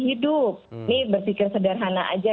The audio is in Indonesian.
hidup ini berpikir sederhana aja